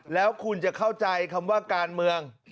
แล้วคุณจะเข้าใจคำว่าการเมือง